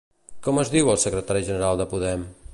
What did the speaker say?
Com es diu el secretari general de Podem?